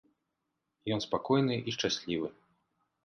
Ён спакойны і шчаслівы.